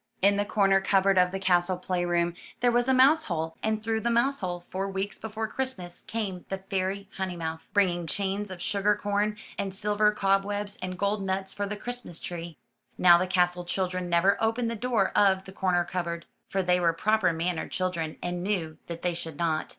In the corner cupboard of the castle playroom there was a mouse hole, and through the mouse hole for weeks before Christmas came the Fairy Honeymouth, 107 MY BOOK HOUSE bringing chains of sugar corn, and silver cobwebs, and gold nuts for the Christmas tree. Now, the castle children never opened the door of the corner cupboard, for they were proper mannered children and knew that they should not.